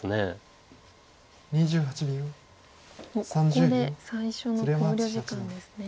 ここで最初の考慮時間ですね。